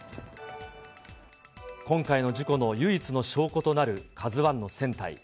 今回の事故の唯一の証拠となるＫＡＺＵＩの船体。